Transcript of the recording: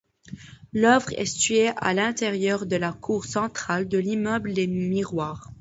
L'œuvre est située à l'intérieur de la cour centrale de l'immeuble Les Miroirs.